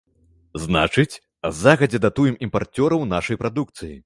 Значыць, загадзя датуем імпарцёраў нашай прадукцыі.